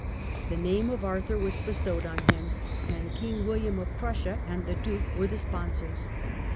The name of Arthur was bestowed on him, and King William of Prussia and the Duke were the sponsors.